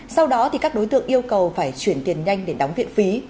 sau đó các đối tượng yêu cầu phải chuyển tiền nhanh để đóng viện phí